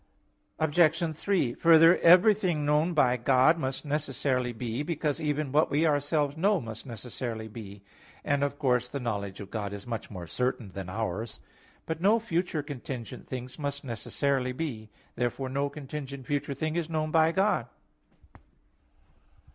Obj. 3: Further, everything known by God must necessarily be, because even what we ourselves know, must necessarily be; and, of course, the knowledge of God is much more certain than ours. But no future contingent things must necessarily be. Therefore no contingent future thing is known by God.